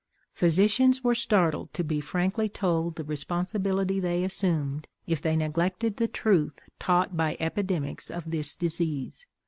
Physicians were startled to be frankly told the responsibility they assumed if they neglected the truth taught by epidemics of this disease.